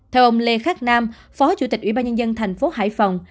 theo ông lê khắc nam phó chủ tịch ủy ban nhân dân thành phố hải phòng